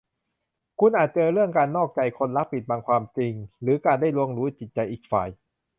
คุณอาจเจอเรื่องการนอกใจ คนรักปิดบังความจริง หรือการได้ล่วงรู้จิตใจอีกฝ่าย